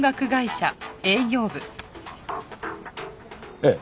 ええ。